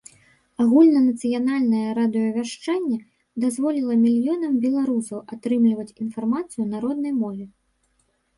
Агульнанацыянальнае радыёвяшчанне дазволіла мільёнам беларусаў атрымліваць інфармацыю на роднай мове.